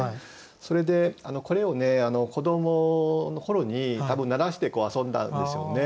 それでこれを子どもの頃に多分鳴らして遊んだんですよね。